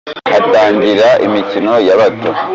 hatangiraga imikino y’abato.